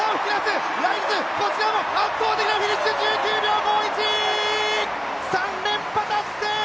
ライルズ、こちらも圧倒的なフィニッシュ１９秒５１、３連覇達成！